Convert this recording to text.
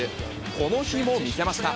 この日も見せました。